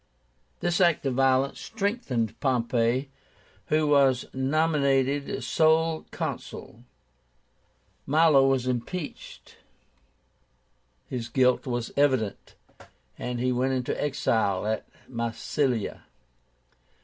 This act of violence strengthened Pompey, who was nominated sole Consul. Milo was impeached. His guilt was evident, and he went into exile at Massilia.